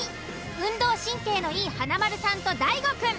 運動神経のいい華丸さんと大悟くん